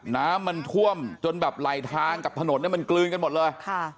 น้ำมันท่วมจนแบบไหลทางกับถนนเนี่ยมันกลืนกันหมดเลย